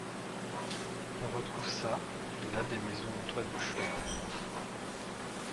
On retrouve çà et là des maisons en toit de chaume.